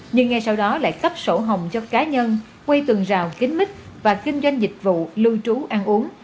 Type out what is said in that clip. nhưng ngay sau đó lại cấp sổ hồng cho cá nhân quay tường rào kín mít và kinh doanh dịch vụ lưu trú ăn uống